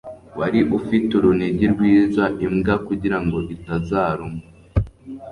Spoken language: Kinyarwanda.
Wari ufite urunigi rwiza imbwa kugirango itazaruma